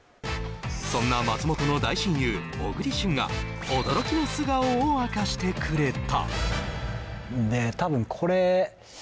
そんな松本の大親友小栗旬が驚きの素顔を明かしてくれた